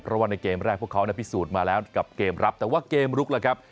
เพราะว่าในเกมแรกพวกเขาพิสูจน์มาแล้วกับเกมรับแต่ว่าเกมลุกล่ะครับ